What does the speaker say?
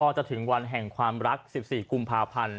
จะถึงวันแห่งความรัก๑๔กุมภาพันธ์